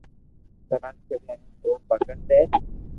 تلاݾ ڪريو ھي ھين اي ڀگت اي